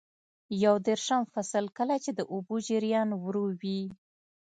یو دېرشم فصل: کله چې د اوبو جریان ورو وي.